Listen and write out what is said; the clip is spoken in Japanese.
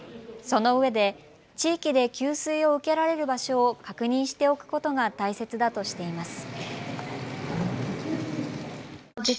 そのうえで地域で給水を受けられる場所を確認しておくことが大切だとしています。